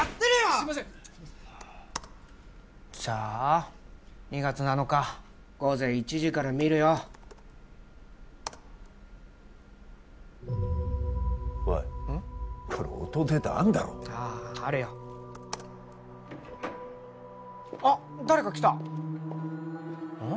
すいませんじゃあ２月７日午前１時から見るよおいこれ音データあんだろあああるよあっ誰か来たうん？